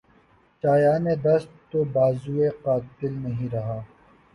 شایانِ دست و بازوےٴ قاتل نہیں رہا